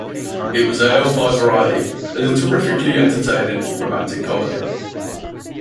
It was hailed by Variety as a terrifically entertaining romantic comedy.